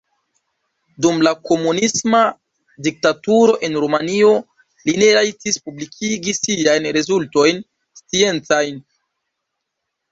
Dum la komunisma diktaturo en Rumanio li ne rajtis publikigi siajn rezultojn sciencajn.